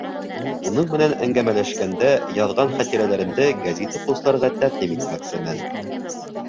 Уның менән әңгәмәләшкәндә яҙған хәтирәләремде гәзит уҡыусыларға тәҡдим итмәксемен.